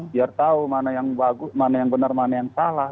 biar tahu mana yang bagus mana yang benar mana yang salah